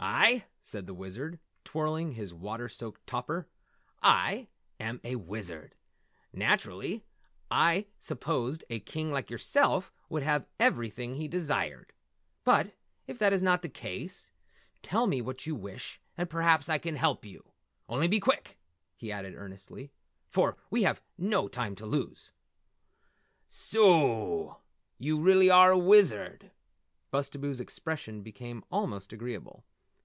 "I?" said the Wizard, twirling his water soaked topper, "I, am a Wizard. Naturally I supposed a King like yourself would have everything he desired. But if that is not the case, tell me what you wish and perhaps I can help you. Only be quick!" he added earnestly, "for we have no time to lose." "Sooo, yew really are a Wizard!" Bustabo's expression became almost agreeable.